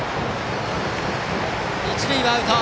一塁はアウト。